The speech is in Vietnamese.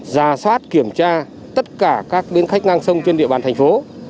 giả soát kiểm tra tất cả các bến khách ngang sông trên địa bàn thành phố